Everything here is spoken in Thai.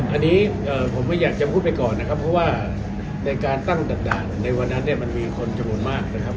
อันนี้ผมไม่อยากจะพูดไปก่อนนะครับเพราะว่าในการตั้งด่านในวันนั้นเนี่ยมันมีคนจำนวนมากนะครับ